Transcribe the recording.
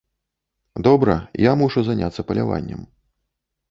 Добра, я мушу заняцца паляваннем.